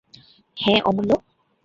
হ্যাঁ, অমূল্য।